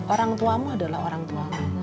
orang tuamu adalah orang tuamu